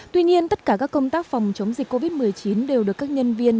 tuy nhiên tất cả các công tác phòng chống dịch covid một mươi chín đều được các nhân viên